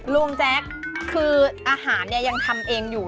ลุงแจ็คคืออาหารยังทำเองอยู่